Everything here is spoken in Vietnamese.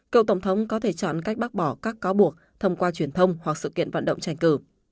cựu tổng thống có thể chọn cách bác bỏ các cáo buộc thông qua truyền thông hoặc sự kiện vận động tranh cử